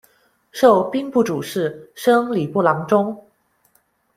授兵部主事，升礼部郎中。